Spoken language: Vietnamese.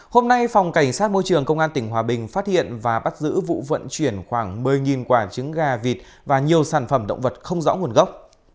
hôm nay phòng cảnh sát môi trường công an tỉnh hòa bình phát hiện và bắt giữ vụ vận chuyển khoảng một mươi quả trứng gà vịt và nhiều sản phẩm động vật không rõ nguồn gốc